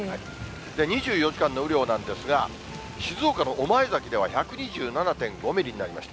２４時間の雨量なんですが、静岡の御前崎では１２７．５ミリになりました。